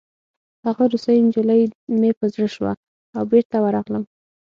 هغه روسۍ نجلۍ مې په زړه شوه او بېرته ورغلم